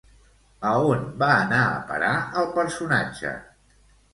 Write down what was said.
A on va anar a parar el personatge?